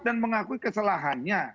dan mengakui kesalahannya